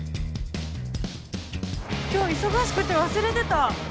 今日忙しくて忘れてた。